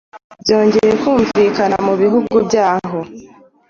byongeye kumvikana mubihugu byaho